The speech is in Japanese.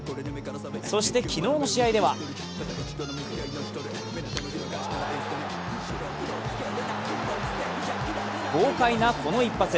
そして昨日の試合では豪快なこの一発。